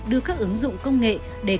đưa các ứng dụng công nghệ